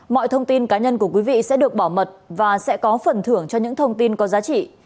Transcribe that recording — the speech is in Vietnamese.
mọi thông tin cá nhân của quý vị sẽ được bảo mật và sẽ có phần thưởng cho những thông tin có giá trị